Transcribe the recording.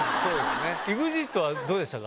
ＥＸＩＴはどうでしたか？